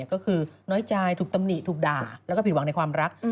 ก็คือน้อยใจถูกตำหนิถูกด่าแล้วก็ผิดหวังในความรัก